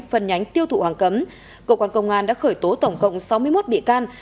phần nhánh tiêu thụ hoàng cấm cộng quan công an đã khởi tố tổng cộng sáu mươi một bị can